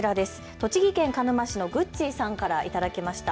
栃木県鹿沼市のグッチーさんから頂きました。